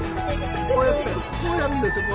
こうやってこうやるんですよ。